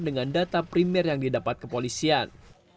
dengan data primer yang didapat kepolisian